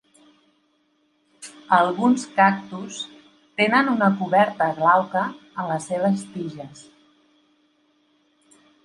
Alguns cactus tenen una coberta glauca en les seves tiges.